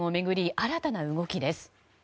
新たな動きです。